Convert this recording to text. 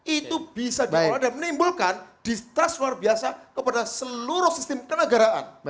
itu bisa dikelola dan menimbulkan distrust luar biasa kepada seluruh sistem kenegaraan